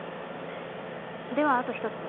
ではあと一つ。